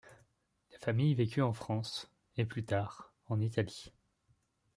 La famille vécut en France et plus tard, en Italie.